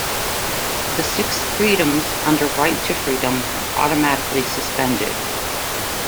The six freedoms under Right to Freedom are automatically suspended.